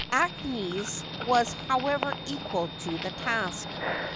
Aahmes was, however, equal to the task.